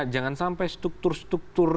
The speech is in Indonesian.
jangan sampai struktur struktur